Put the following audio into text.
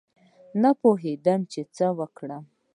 نه پوهېدم چې څه وکړم.